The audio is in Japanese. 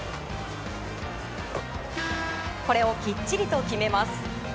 これをきっちりと決めます。